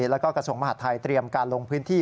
แล้วก็กระทรวงมหาดไทยเตรียมการลงพื้นที่